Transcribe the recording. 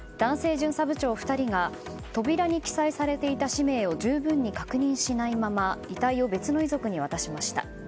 巡査部長２人が扉に記載されていた氏名を十分に確認しないまま遺体を別の遺族に渡しました。